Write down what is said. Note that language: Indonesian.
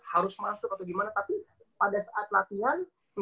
harus masuk atau gimana tapi pada saat latihan